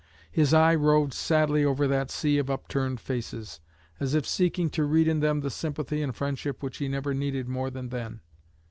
His eye roved sadly over that sea of upturned faces, as if seeking to read in them the sympathy and friendship which he never needed more than then.